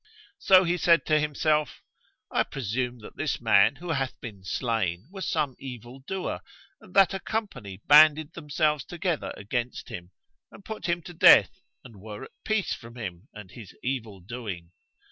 So he said to himself, "I presume that this man who hath been slain was some evil doer, and that a company banded themselves together against him and put him to death and were at peace from him and his evil doing."